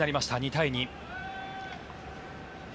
２対２。